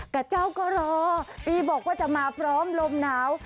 กับเจ้าก็รอปีบอกว่าจะมาพร้อมลมหนาว